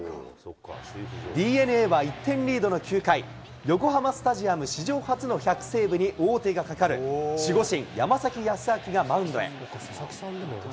ＤｅＮＡは１点リードの９回、横浜スタジアム史上初の１００セーブに王手がかかる山崎康晃がマウンドへ。